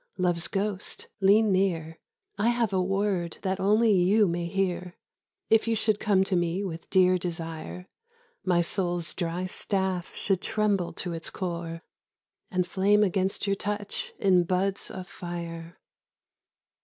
Love's ghost, lean near, I have a word that only you may hear. If you should come to me with dear desire, My soul's dry staff should tremble to its core And flame against your touch in buds of fire.